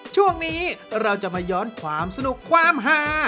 ช่วงนี้เราจะมาย้อนความสนุกความหา